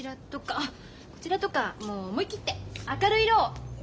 あっこちらとかもう思い切って明るい色を。